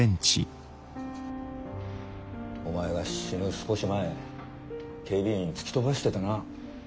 お前が死ぬ少し前警備員突き飛ばしてたな。